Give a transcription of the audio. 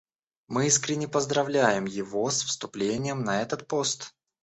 Мы искренне поздравляем его с вступлением на этот пост.